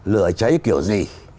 lửa cháy kiểu gì